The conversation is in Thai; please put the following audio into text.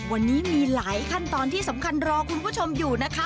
วันนี้มีหลายขั้นตอนที่สำคัญรอคุณผู้ชมอยู่นะคะ